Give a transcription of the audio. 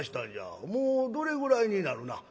もうどれぐらいになるなあ？」。